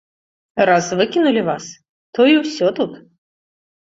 Раз выкінулі вас, то і ўсё тут.